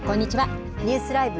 ニュースＬＩＶＥ！